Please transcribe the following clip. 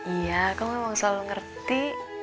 iya kamu memang selalu ngerti